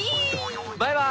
バイバイ！